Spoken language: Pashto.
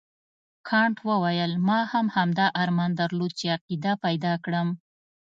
کانت وویل ما هم همدا ارمان درلود چې عقیده پیدا کړم.